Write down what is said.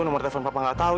nomor telepon papa gak tau